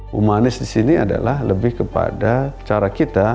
humanis di sini adalah lebih kepada cara kita